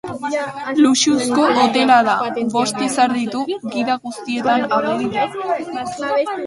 Luxuzko hotela da, bost izar ditu, gida guztietan ageri da.